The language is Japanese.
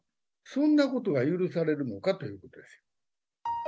そんなことが許されるのかということですよ。